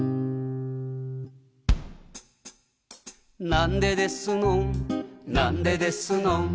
「なんでですのんなんでですのん」